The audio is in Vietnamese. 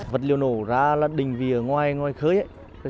vật liều nổ ra là đình vì ở ngoài khới